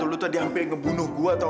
heratu lo tadi hampir ngebunuh gue tau